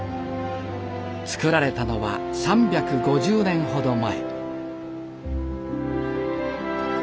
造られたのは３５０年ほど前。